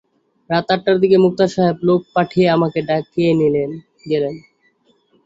রাত আটটার দিকে মোক্তার সাহেব লোক পাঠিয়ে আমাকে ডাকিয়ে নিয়ে গেলেন।